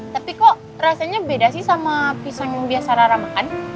tapi kok rasanya beda sih sama pisang yang biasa rara makan